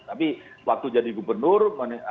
tapi waktu jadi gubernur